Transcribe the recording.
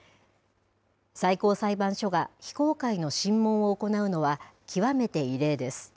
最高裁判所が非公開の審問を行うのは、極めて異例です。